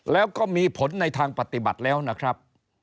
แล้วก็มีผลในทางปฏิบัติแล้วนะครับ